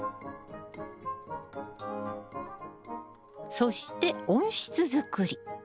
そして温室づくり。